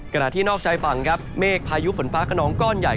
ขณะที่นอกชายฝั่งครับเมฆพายุฝนฟ้าขนองก้อนใหญ่